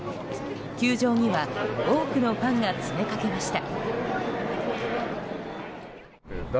球場には多くのファンが詰めかけました。